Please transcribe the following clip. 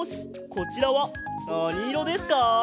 こちらはなにいろですか？